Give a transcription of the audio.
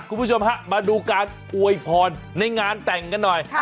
คุณผู้ชมฮะมาดูการอวยพรในงานแต่งกันหน่อย